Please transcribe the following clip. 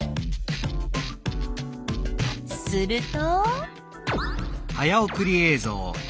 すると。